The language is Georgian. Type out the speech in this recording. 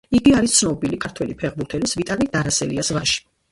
იგი არის ცნობილი ქართველი ფეხბურთელის, ვიტალი დარასელიას ვაჟი.